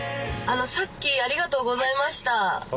さっきありがとうございました。